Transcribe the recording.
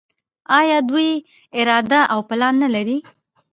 آیا دوی اراده او پلان نلري؟